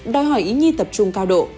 đòi hỏi ý nhi tập trung cao độ